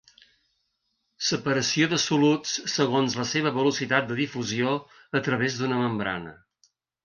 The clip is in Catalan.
Separació de soluts segons la seva velocitat de difusió a través d'una membrana.